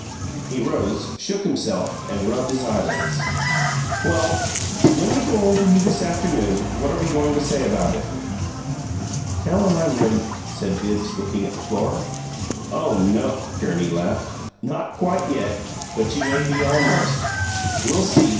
He rose, shook himself, and rubbed his eyelids. "Well, when we go over you this afternoon what are we going to say about it?" "Tell him I'm ready," said Bibbs, looking at the floor. "Oh no," Gurney laughed. "Not quite yet; but you may be almost. We'll see.